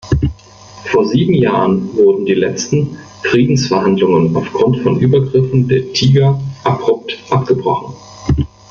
Vor sieben Jahren wurden die letzten Friedensverhandlungen aufgrund von Übergriffen der Tiger abrupt abgebrochen.